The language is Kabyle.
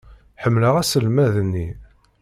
Ḥemmleɣ aselmad-nni.